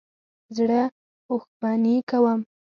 زه اوښبهني کوم.